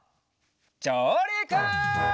じょうりく！